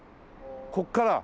ここから？